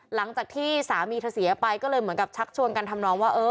หลังจากที่สามีเธอเสียไปก็เลยเหมือนกับชักชวนกันทำนองว่า